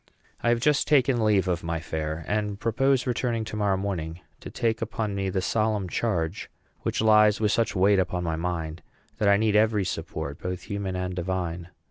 I have just taken leave of my fair, and propose returning to morrow morning to take upon me the solemn charge which lies with such weight upon my mind that I need every support, both human and divine.